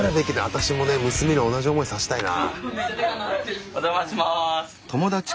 私もね娘に同じ思いさせたいな。